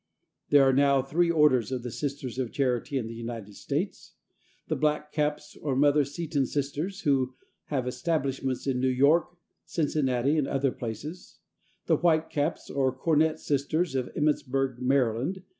There are now three orders of the Sisters of Charity in the United States. The "black caps," or Mother Seton Sisters, who have establishments in New York, Cincinnati and other places; the "white caps," or Cornette Sisters, of Emmittsburg, Md.